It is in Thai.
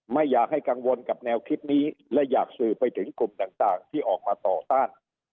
ไม่อยากให้กังวลกับแนวคิดนี้และอยากสื่อไปถึงกลุ่มต่างที่ออกมาต่อต้าน